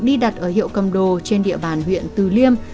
đi đặt ở hiệu cầm đồ trên địa bàn huyện từ liêm